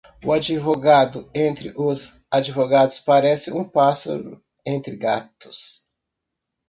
O advogado entre os advogados parece um pássaro entre gatos.